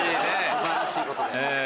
素晴らしいことで。